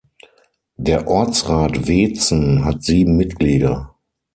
Der Ortsrat Weetzen hat sieben Mitglieder.